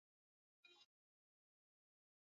Walikusanya maoni kupitia Tume ya Jaji Warioba